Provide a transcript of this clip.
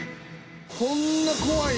こんな怖い？